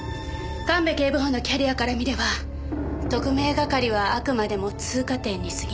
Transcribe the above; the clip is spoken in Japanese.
神戸警部補のキャリアから見れば特命係はあくまでも通過点に過ぎない。